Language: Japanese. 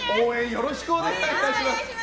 よろしくお願いします。